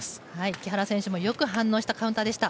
木原選手もよく反応したカウンターでした。